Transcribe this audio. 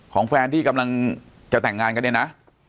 ของแฟนที่กำลังจะแต่งงานกันเนี่ยนะ